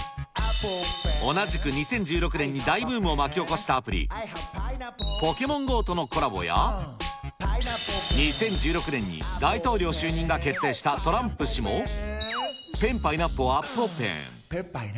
同じく２０１６年に大ブームを巻き起こしたアプリ、ポケモンＧＯとのコラボや、２０１６年に大統領就任が決定したトランプ氏も、ペンパイナッポーアッポーペン。